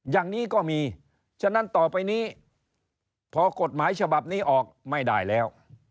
อย่างนี้ก็มีฉะนั้นต่อไปนี้พอกฎหมายฉบับนี้ออกไม่ได้แล้ว